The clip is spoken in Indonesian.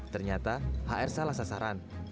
ternyata h r salah sasaran